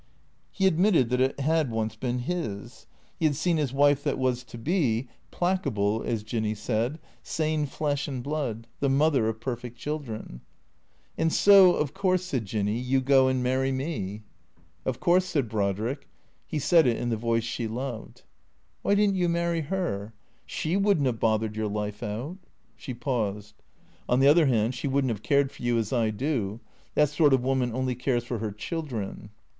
He admitted that it had once been his. He had seen his wife that was to be, placable, as Jinny said, sane flesh and blood, the mother of perfect children. " And so, of course," said Jinny, " you go and marry me." " Of course," said Brodrick. He said it in the voice she loved. " \\niy didn't you marry her? She wouldn't have bothered your life out." She paused. " On the other hand, she would n't have cared for you as I do. That sort of woman only cares for her children."